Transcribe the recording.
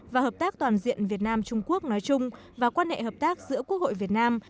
và hợp tác toàn diện việt nam trung quốc nói chung và quan hệ hợp tác giữa quốc hội việt nam